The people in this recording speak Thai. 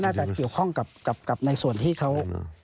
น่าจะเกี่ยวข้องกับในส่วนที่เขา